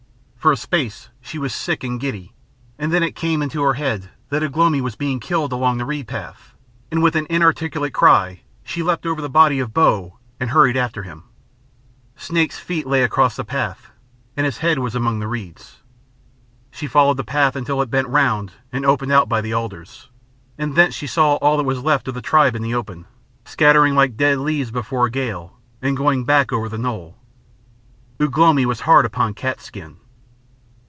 For a space she was sick and giddy, and then it came into her head that Ugh lomi was being killed along the reed path, and with an inarticulate cry she leapt over the body of Bo and hurried after him. Snake's feet lay across the path, and his head was among the reeds. She followed the path until it bent round and opened out by the alders, and thence she saw all that was left of the tribe in the open, scattering like dead leaves before a gale, and going back over the knoll. Ugh lomi was hard upon Cat's skin.